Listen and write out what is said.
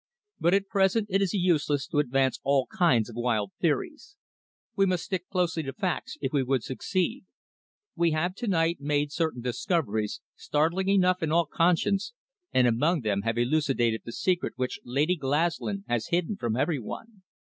"But at present it is useless to advance all kinds of wild theories. We must stick closely to facts if we would succeed. We have to night made certain discoveries, startling enough in all conscience, and among them have elucidated the secret which Lady Glaslyn has hidden from every one.